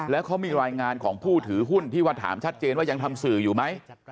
แล้วเขามีรายงานของผู้ถือหุ้นที่ว่าถามชัดเจนว่ายังทำสื่ออยู่ไหม